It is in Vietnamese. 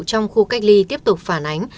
trong khu cách ly tiếp tục phản ánh